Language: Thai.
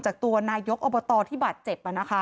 จากตัวนายกอบตที่บัตร๗นะคะ